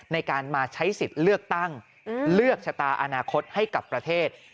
ในการมาใช้สิทธิ์เลือกตั้งเลือกชะตาอนาคตให้กับประเทศ